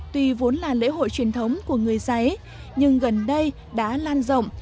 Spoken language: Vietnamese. tuy vốn là lễ hội truyền thống của người giấy nhưng gần đây đã lan rộng